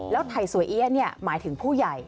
แล้วไทยสวยเอี๊ยะเนี่ยหมายถึงผู้ใหญ่